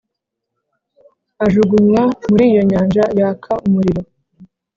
ajugunywa muri iyo nyanja yaka umuriro.